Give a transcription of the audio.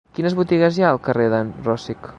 Quines botigues hi ha al carrer d'en Rosic?